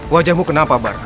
wajahmu kenapa bar